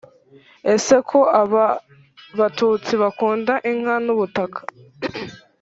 “ese ko aba batutsi bakunda inka n’ubutaka,